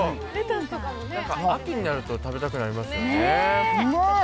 秋になると食べたくなりますよね。